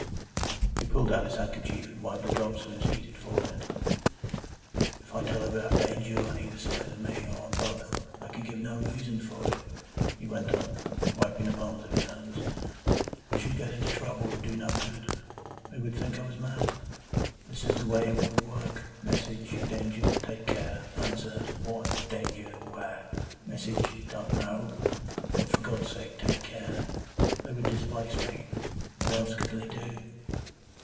He pulled out his handkerchief, and wiped the drops from his heated forehead. "If I telegraph Danger, on either side of me, or on both, I can give no reason for it," he went on, wiping the palms of his hands. "I should get into trouble, and do no good. They would think I was mad. This is the way it would work,—Message: 'Danger! Take care!' Answer: 'What Danger? Where?' Message: 'Don't know. But, for God's sake, take care!' They would displace me. What else could they do?"